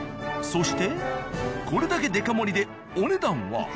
そしてこれだけデカ盛りでお値段は？